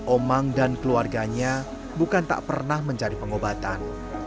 omang dan keluarganya bukan tak pernah mencari pengobatan